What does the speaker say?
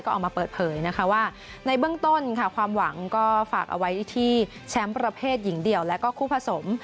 ก็ออกมาเปิดเผยนะคะว่าในเบื้องต้นค่ะความหวังก็ฝากเอาไว้ที่แชมป์ประเภทหญิงเดี่ยวและก็คู่ผสม